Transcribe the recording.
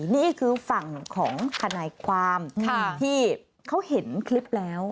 นี่คือฝั่งของทนายความที่เขาเห็นคลิปแล้ว